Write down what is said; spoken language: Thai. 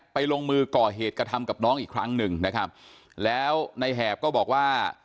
ลงมือก่อเหตุกระทำกับน้องอีกครั้งหนึ่งนะครับแล้วในแหบก็บอกว่า